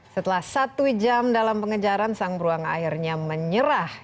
setelah satu jam dalam pengejaran sang beruang akhirnya menyerah